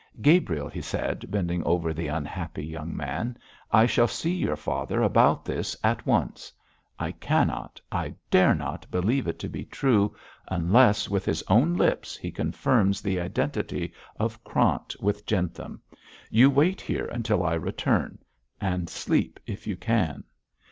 'Gabriel,' he said, bending over the unhappy young man, 'I shall see your father about this at once. I cannot, I dare not believe it to be true, unless with his own lips he confirms the identity of Krant with Jentham. You wait here until I return, and sleep if you can.'